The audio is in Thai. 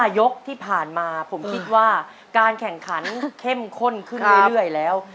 ยกที่ผ่านมาผมคิดว่าการแข่งขันเข้มข้นขึ้นเรื่อยแล้ว